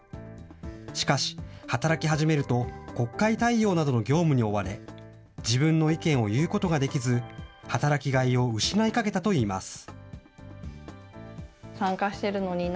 しかし、働き始めると国会対応などの業務に追われ、自分の意見を言うことができず、働きがいを失いかけたといいます。